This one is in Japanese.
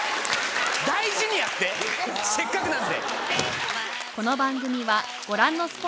大事にやってせっかくなんで。